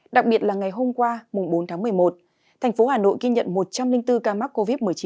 đặc biệt là ngày hôm qua bốn tháng một mươi một thành phố hà nội ghi nhận một trăm linh bốn ca mắc covid một mươi chín